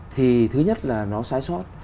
thì thứ nhất là nó sai sót